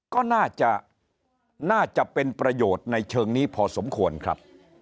ก็น่าจะน่าจะเป็นประโยชน์ในเชิงนี้พอสมควรครับ